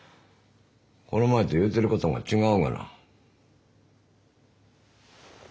この前と言うてることが違うがな。